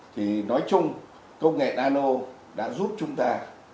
thì nói chung công nghệ nano đã giúp chúng ta